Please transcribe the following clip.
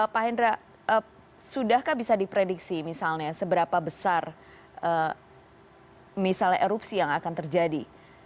pak hendra sudahkah bisa diprediksi misalnya seberapa besar misalnya erupsi yang akan terjadi